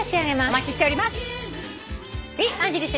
お待ちしております。